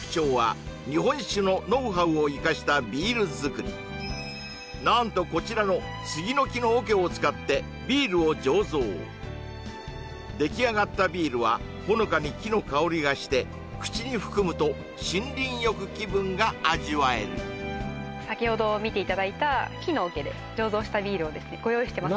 最大の特徴は何とこちらの杉の木の桶を使ってビールを醸造できあがったビールはほのかに木の香りがして口に含むと森林浴気分が味わえる先ほど見ていただいた木の桶で醸造したビールをご用意してます